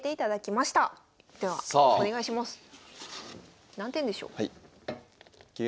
ではお願いします。